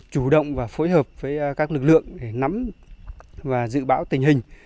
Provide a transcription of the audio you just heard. chủ động và phối hợp với các lực lượng để nắm và dự báo tình hình